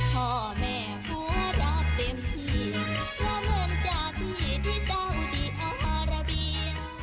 พ่อแม่หัวรักเต็มที่เพราะเหมือนจากที่ที่เจ้าดีอามาราเบีย